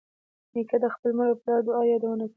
نیکه د خپلې مور او پلار د دعا یادونه کوي.